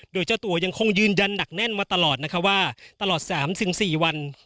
โดยเจ้าตัวยังคงยืนยันหนักแน่นมาตลอดนะคะว่าตลอด๓๔วัน